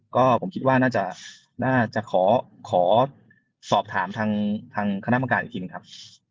ก็ผมคิดว่าน่าจะขอสอบถามทางคณะกรรมการอีกทีหนึ่งครับ